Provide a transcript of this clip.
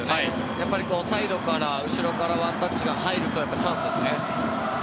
やっぱりサイドから後ろからワンタッチが入るとチャンスになりますよね。